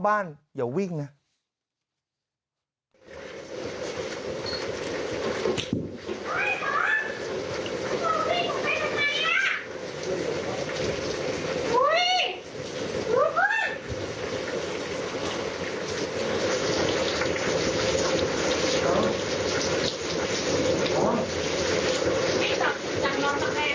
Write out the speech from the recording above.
หายใจนิดนึกคุณผู้หญิงหายใจ